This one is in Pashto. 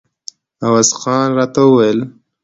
عوض خان راته ویل.